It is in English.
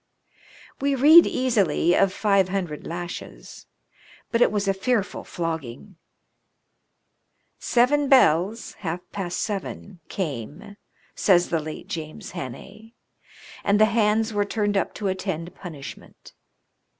We read easily of five hundred lashes ; but it was a fearful flogging !Seven bells (half past seven) came," says the late James Hannay, " and the hands were turned up to attend punishment.